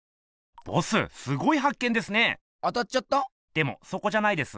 でもそこじゃないです。